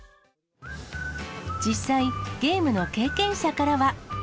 実際、ゲームの経験者からは。